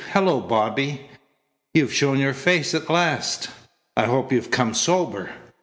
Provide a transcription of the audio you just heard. Hello, Bobby! You shown your face at last? I hope you've come sober."